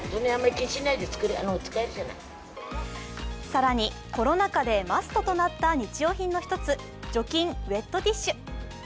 更にコロナ禍でマストとなった日用品の一つ除菌ウェットティッシュ。